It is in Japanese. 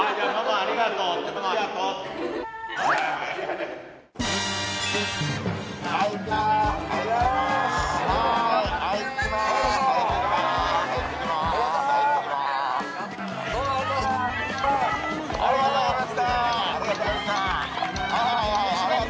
ありがとうございます。